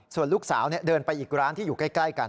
ส่วนลูกสาวเดินไปอีกร้านที่อยู่ใกล้กัน